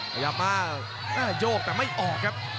ขยับมาโยกแต่ไม่ออกครับ